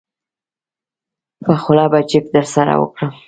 په خوله به جګ درسره وکړم.